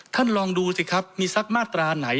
ท่านลองดูสิครับมีสักมาตราไหน